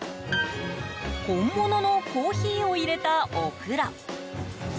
本物のコーヒーを入れたお風呂。